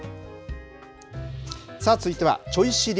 続いてはちょい知り！